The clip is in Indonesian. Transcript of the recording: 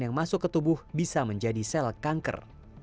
yang masuk ke tubuh bisa menjadi sel kanker